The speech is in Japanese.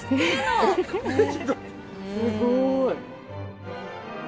すごーい。